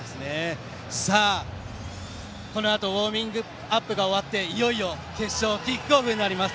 さあ、このあとウォーミングアップが終わっていよいよ決勝のキックオフです。